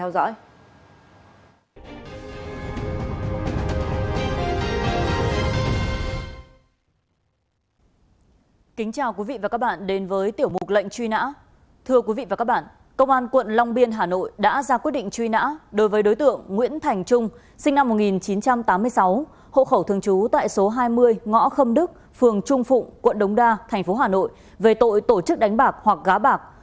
đối tượng nguyễn thành trung sinh năm một nghìn chín trăm tám mươi sáu hộ khẩu thường trú tại số hai mươi ngõ khâm đức phường trung phụng quận đống đa tp hcm về tội tổ chức đánh bạc hoặc gá bạc